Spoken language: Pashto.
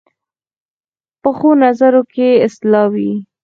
پخو نظرونو کې اصلاح وي